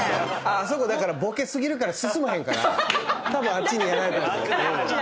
あそこボケ過ぎるから進まへんからたぶんあっちにやられたんやと思う。